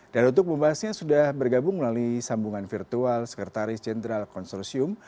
dan untuk pembahasannya sudah bergabung melalui sambungan virtual sekretaris jenderal konsolusium